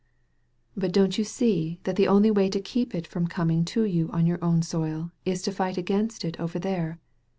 "But don*t you see that the only way to keep it from cominir to you on your own soil is to fight against it over there?